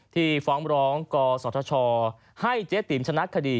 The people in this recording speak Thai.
ที่ฟ้องร้องกศธชให้เจ๊ติ๋มชนะคดี